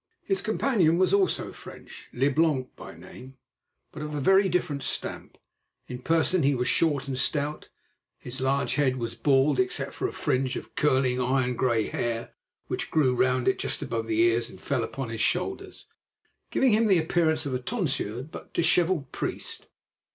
His companion was also French, Leblanc by name, but of a very different stamp. In person he was short and stout. His large head was bald except for a fringe of curling, iron grey hair which grew round it just above the ears and fell upon his shoulders, giving him the appearance of a tonsured but dishevelled priest.